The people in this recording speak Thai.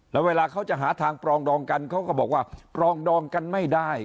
แล้วเวลาเขาจะหาทางปรองดองกันเขาก็บอกว่าปรองดองกันไม่ได้